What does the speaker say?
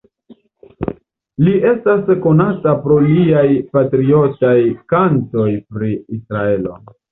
Li estas konata pro liaj patriotaj kantoj pri Israelo.